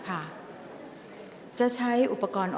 ออกรางวัลเลขหน้า๓ตัวครั้งที่๒